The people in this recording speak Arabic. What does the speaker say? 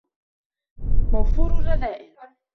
مَوْفُورَ الرَّذَائِلِ